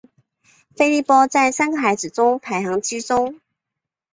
菲利波在三个孩子中排行居中。